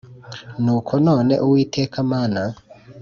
Nuko none Uwiteka Mana